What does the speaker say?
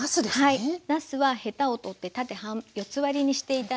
はい。